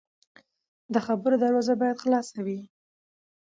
د خبرو دروازه باید خلاصه وي